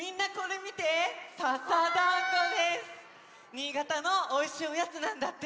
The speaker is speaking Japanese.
新潟のおいしいおやつなんだって！